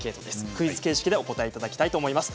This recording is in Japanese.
クイズ形式でお答えいただきます。